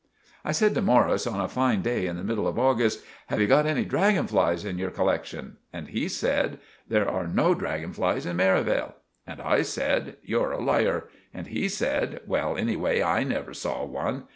I said to Morris on a fine day in the middle of August— "Have you got any draggon flies in your collectshun?" And he said— "There are no draggon flies in Merivale." And I said— "You're a liar." And he said— "Well, anyway, I never saw one."